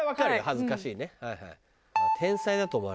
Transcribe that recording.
「恥ずかしい」ね。